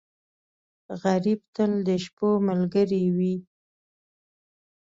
غریب تل د شپو ملګری وي